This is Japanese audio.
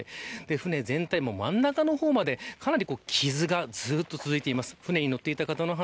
舟全体も真ん中の方までかなり傷がずっと続いています。